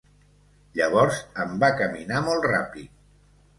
Llavors em va caminar molt ràpid.